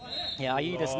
いいですね